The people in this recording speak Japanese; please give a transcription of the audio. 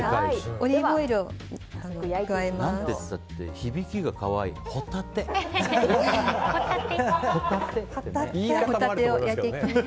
オリーブオイルを加えます。